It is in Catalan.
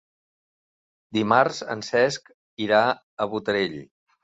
Dimarts en Cesc irà a Botarell.